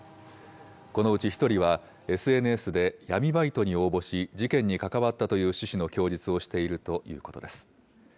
このうち１人は、ＳＮＳで闇バイトに応募し、事件に関わったという趣旨の供述をしているということです。